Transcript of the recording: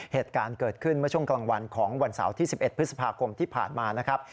เหตุการณ์เกิดขึ้นเมื่อช่วงกลางวันของวันเสาร์ที่๑๑พฤษภาคมที่ผ่านมานะครับ